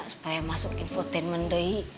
supaya masuk infotainment